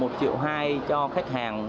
một triệu hai cho khách hàng